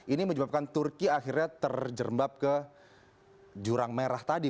ini menyebabkan turki akhirnya terjerembab ke jurang merah tadi